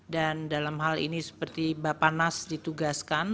dan dalam hal ini seperti bapak nas ditugaskan